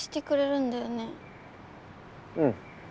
うん。